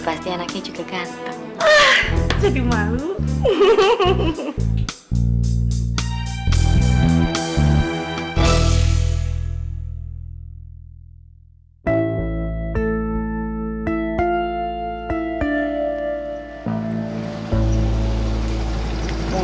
pasti anaknya juga ganteng